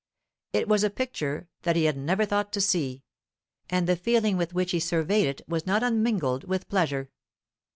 It was a picture that he had never thought to see, and the feeling with which he surveyed it was not unmingled with pleasure.